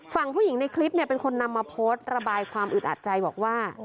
ฝั่งผู้หญิงในคลิปเนี่ยเป็นคนนำมาโพสต์ระบายความอึดอัดใจบอกว่า